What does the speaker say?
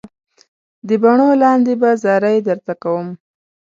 د باڼو لاندې به زارۍ درته کوم.